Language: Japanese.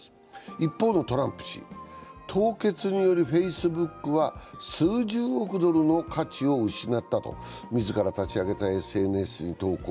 一方、トランプ氏、凍結によりフェイスブックは数十億ドルの価値を失ったと自ら立ち上げたＳＮＳに投稿。